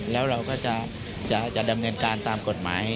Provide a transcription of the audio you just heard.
แล้วเราก็จะดำเนินการตามกฎหมาย